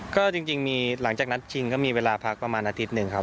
ก็จริงมีหลังจากนัดชิงก็มีเวลาพักประมาณอาทิตย์หนึ่งครับ